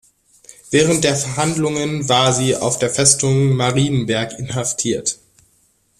Während der Verhandlungen war sie auf der Festung Marienberg inhaftiert.